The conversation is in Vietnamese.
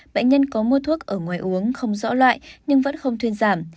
bệnh nhân có mua thuốc ở ngoài uống không rõ loại nhưng vẫn không thuyên giảm